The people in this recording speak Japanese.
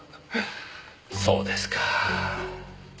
そうですか。